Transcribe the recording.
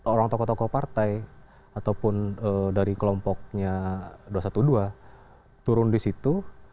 orang tokoh tokoh partai ataupun dari kelompoknya dua ratus dua belas turun di situ